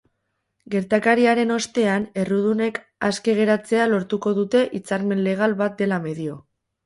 Gertakariaren ostean, errudunek aske geratzea lortuko dute hitzarmen legal bat dela medio.